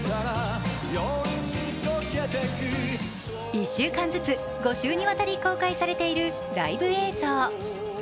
１週間ずつ５週にわたり公開されているライブ映像。